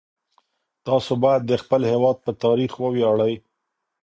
تاسو باید د خپل هیواد په تاریخ وویاړئ.